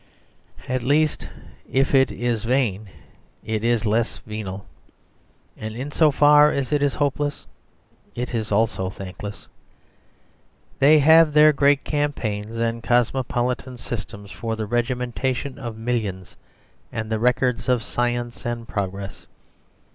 At least if it is vain it is the less venal; and in so far as it is hopeless it is also thankless. They have their great campaigns and cosmopolitan systems for the regimentation of millions, and the records of science and progress.